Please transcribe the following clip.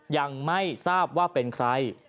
ยังไม่ทราบว่าเป็นใคร